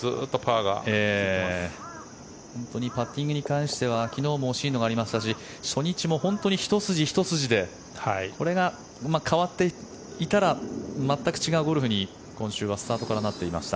本当にパッティングに関しては昨日も惜しいのがありましたし初日も本当にひと筋、ひと筋でこれが変わっていたら全く違うゴルフに今週はスタートからなっていました。